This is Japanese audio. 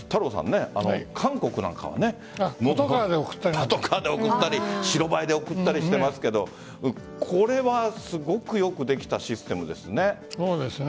韓国なんかはパトカーで送ったり白バイで送ったりしていますがこれはすごく良くできたシステムですよね。